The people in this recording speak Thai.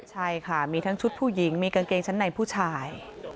ใช่ค่ะมีทั้งชุดผู้หญิงมีกางเกงชั้นในผู้ชาย